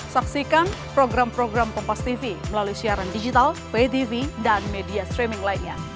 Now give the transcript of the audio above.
saksikan program program kompastv melalui siaran digital btv dan media streaming lainnya